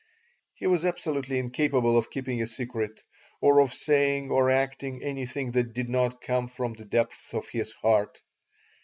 He was absolutely incapable of keeping a secret or of saying or acting anything that did not come from the depths of his heart.